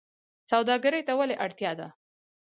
سوداګرۍ ته ولې اړتیا ده؟